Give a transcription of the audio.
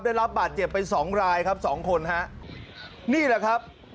ได้รับบาดเจ็บไปสองรายครับสองคนฮะนี่แหละครับ